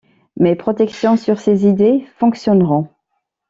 Mes protections sur ses idées fonctionneront.